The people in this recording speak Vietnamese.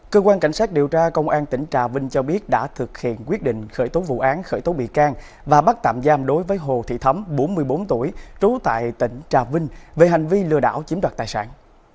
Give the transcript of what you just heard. cơ quan cảnh sát điều tra công an tỉnh trà vinh cho biết đã thực hiện quyết định khởi tố vụ án khởi tố bị can và bắt tạm giam đối với hồ thị thấm bốn mươi bốn tuổi trú tại tỉnh trà vinh về hành vi lừa đảo chiếm đoạt tài sản